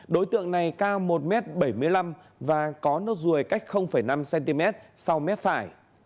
đối tượng này cao một m bảy mươi năm và có nốt ruồi cách năm cm sau mép phải